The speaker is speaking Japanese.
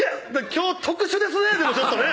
今日特殊ですね